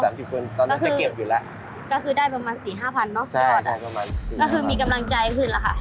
อ๋อก็คือก็คือได้ประมาณ๔๐๐๐๕๐๐๐บาทแล้วนะครับคือมีกำลังใจขึ้นแล้วค่ะ